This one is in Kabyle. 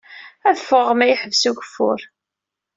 Ad ffɣeɣ ma yeḥbes ugeffur.